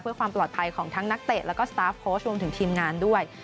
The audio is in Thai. เพื่อความปลอดภัยของทั้งนักเตะแล้วก็สตาร์ฟโค้ชรวมถึงทีมงานด้วย